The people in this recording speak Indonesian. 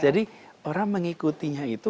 jadi orang mengikutinya itu